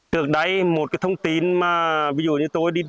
trước đây một cái thông tin mà ví dụ như tôi đi